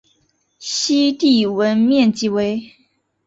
西帝汶面积为。